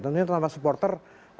tentunya tanpa supporter